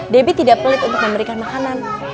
debbie tidak pelit untuk memberikan makanan